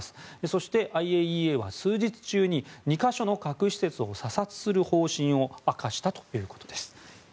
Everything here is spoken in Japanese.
そして、ＩＡＥＡは数日中に２か所の核施設を査察する方針を明かしたということです。